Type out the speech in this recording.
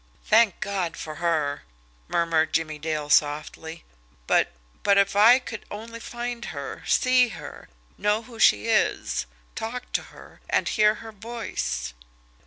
"Thank God for her!" murmured Jimmie Dale softly. "But but if I could only find her, see her, know who she is, talk to her, and hear her voice!"